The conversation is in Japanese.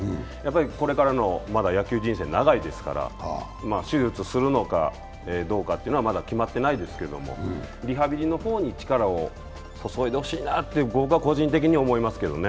これからの野球人生長いですから手術するのかどうかというのはまだ決まってないですけど、リハビリの方に力を注いでほしいなと僕は個人的に思いますけどね。